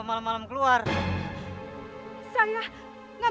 tidak jadi keladangan